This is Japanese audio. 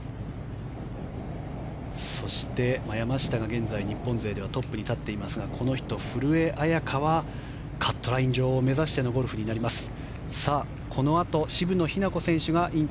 そして山下が現在、日本勢ではトップに立っていますがこの人、古江彩佳はカットライン上を目指しての時代は健康系ノンアルですでた！